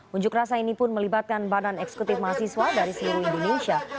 unjuk rasa ini pun melibatkan badan eksekutif mahasiswa dari seluruh indonesia